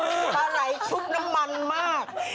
มาไร่ชุบน้ำมันมาก